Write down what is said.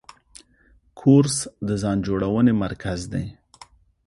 کورس د ځان جوړونې مرکز دی.